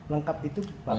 lengkap itu pak